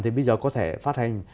thì bây giờ có thể phát hành